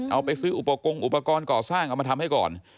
เอาไปซื้ออุปกรณ์อุปกรณ์ก่อสร้างเอามาทำให้ก่อน